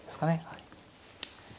はい。